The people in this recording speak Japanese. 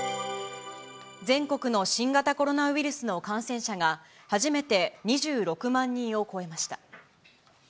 全国の新型コロナウイルスの感染者が、初めて２６万人を超えました。